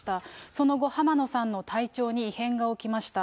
その後、浜野さんの体調に異変が起きました。